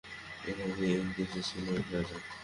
এইভাবে-এক দেশে ছিল এক রাজা।